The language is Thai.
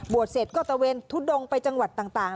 เสร็จก็ตะเวนทุดงไปจังหวัดต่าง